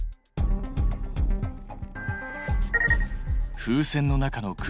風船の中の空気。